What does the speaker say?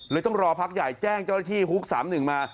เลยต้องรอพักใหญ่แจ้งเจ้าที่ฮุก๓๑มา